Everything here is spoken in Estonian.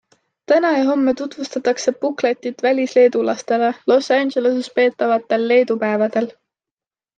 Täna ja homme tutvustatakse bukletit välisleedulastele Los Angeleses peetavatel Leedu päevadel.